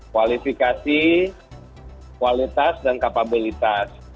kualifikasi kualitas dan kapabilitas